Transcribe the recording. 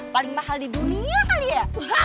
paling mahal di dunia kali ya